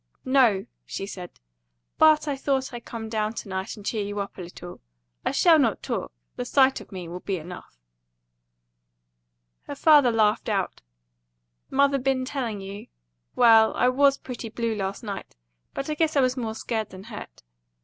"No," she said; "but I thought I'd come down to night and cheer you up a little. I shall not talk; the sight of me will be enough." Her father laughed out. "Mother been telling you? Well, I WAS pretty blue last night; but I guess I was more scared than hurt.